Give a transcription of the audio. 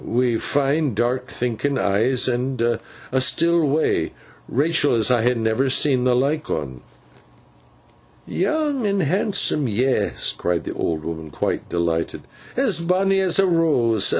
Wi' fine dark thinkin eyes, and a still way, Rachael, as I ha never seen the like on.' 'Young and handsome. Yes!' cried the old woman, quite delighted. 'As bonny as a rose!